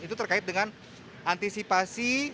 itu terkait dengan antisipasi